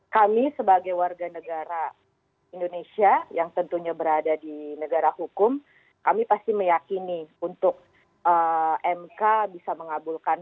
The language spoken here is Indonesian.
kami sebagai warga negara indonesia yang tentunya berada di negara hukum kami pasti meyakini untuk mk bisa mengabulkan